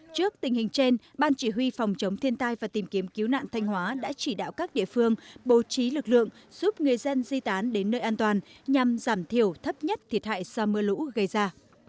trước tình hình trên ban chỉ huy phòng chống thiên tai và tìm kiếm cứu nạn thanh hóa đã chỉ đạo các địa phương bố trí lực lượng giúp người dân di tán đến nơi an toàn nhằm giảm thiểu thấp nhất thiệt hại do mưa lũ gây ra